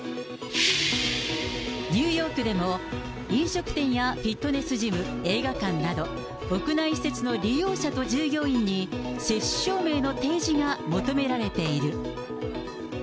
ニューヨークでも、飲食店やフィットネスジム、映画館など、屋内施設の利用者と従業員に、接種証明の提示が求められている。